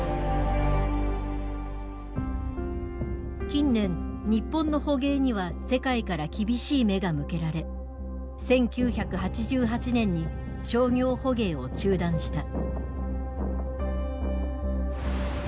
近年日本の捕鯨には世界から厳しい目が向けられ１９８８年に商業捕鯨を中断した。